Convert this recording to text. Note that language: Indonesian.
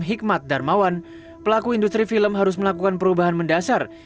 hikmat darmawan pelaku industri film harus melakukan perubahan mendasar